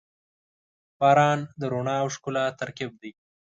• باران د رڼا او ښکلا ترکیب دی.